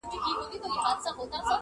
• هم یې وکتل لکۍ او هم غوږونه -